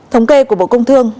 thống kê của bộ công thương